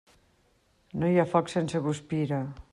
No hi ha foc sense guspira.